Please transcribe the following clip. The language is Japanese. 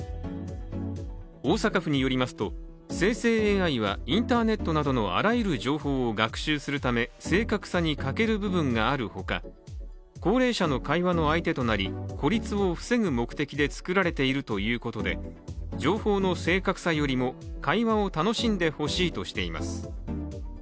大阪府によりますと生成ＡＩはインターネットなどのあらゆる情報を学習するため正確さに欠ける部分があるほか高齢者の会話の相手となり、孤立を防ぐ目的で作られているということで情報の正確さよりも会話を楽しんでほしいとしています。